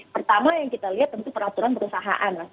pertama yang kita lihat tentu peraturan perusahaan